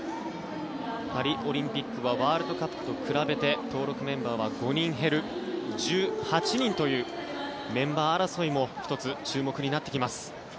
パリオリンピックはワールドカップと比べて登録メンバーは５人減る１８人というメンバー争いも１つ注目になってきます。